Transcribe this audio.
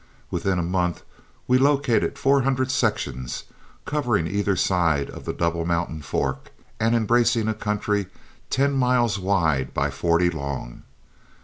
Within a month we located four hundred sections, covering either side of the Double Mountain Fork, and embracing a country ten miles wide by forty long.